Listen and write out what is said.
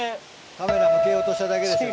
カメラ向けようとしただけでしょ。